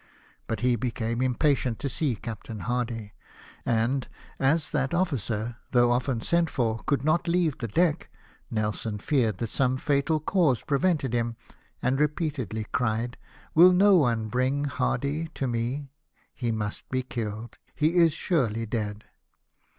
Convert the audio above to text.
But he became impatient to see Captain Hardy, and as that officer, though often sent for, could not leave the deck, Nelson feared that some fatal cause prevented him, and repeatedly cried, " Will no one bring Hardy MOBTALLY WOUNDED. 317 to me ? He must be killed ! He is surely dead